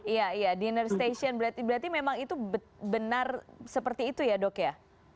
iya iya dinner station berarti memang itu benar seperti itu ya dok ya